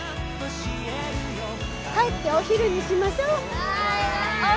帰ってお昼にしましょ。わい！